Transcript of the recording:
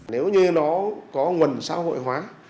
nếu như nó có nguồn xã hội hóa